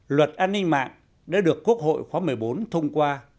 luật an ninh mạng đã được quốc hội khóa một mươi bốn thông qua